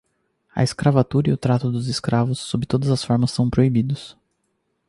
a escravatura e o trato dos escravos, sob todas as formas, são proibidos.